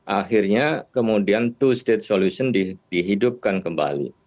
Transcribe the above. akhirnya kemudian two state solution dihidupkan kembali